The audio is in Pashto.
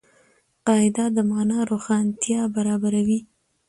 قاعده د مانا روښانتیا برابروي.